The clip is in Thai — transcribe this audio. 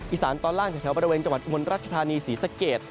อีสานตอนล่างแถวบริเวณจังหวัดอุบลรัชธานีศรีสะเกด